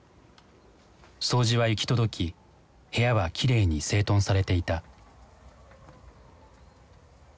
掃除は行き届き部屋はきれいに整頓されていた。